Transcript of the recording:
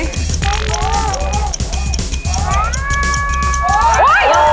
เดินมา